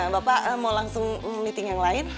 bapak mau langsung meeting yang lain